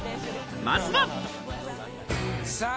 まずは。